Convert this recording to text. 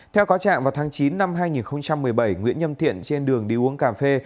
theo cáo trạng vào tháng chín năm hai nghìn một mươi bảy nguyễn nhâm thiện trên đường đi uống cà phê